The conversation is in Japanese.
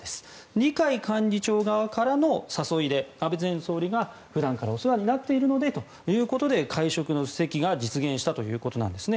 二階幹事長側からの誘いで安倍前総理が普段からお世話になっているのでということで会食の席が実現したということなんですね。